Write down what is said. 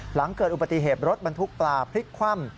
หลังเกิดอุบัติเหตุรถบรรทุกปลาพลิกคว่ำ